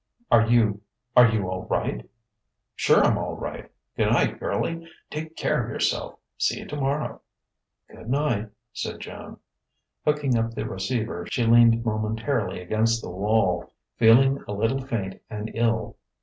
"Are you are you all right?" "Sure I'm all right. Good night, girlie. Take care of yourself. See you tomorrow." "Good night," said Joan. Hooking up the receiver, she leaned momentarily against the wall, feeling a little faint and ill.